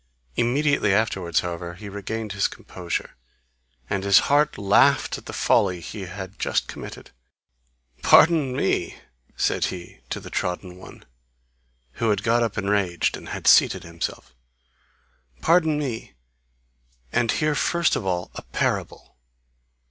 Immediately afterwards, however, he regained his composure, and his heart laughed at the folly he had just committed. "Pardon me," said he to the trodden one, who had got up enraged, and had seated himself, "pardon me, and hear first of all a parable.